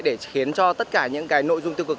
để khiến cho tất cả những cái nội dung tiêu cực